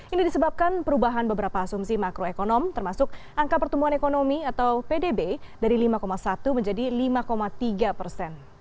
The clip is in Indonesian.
ini disebabkan perubahan beberapa asumsi makroekonom termasuk angka pertumbuhan ekonomi atau pdb dari lima satu menjadi lima tiga persen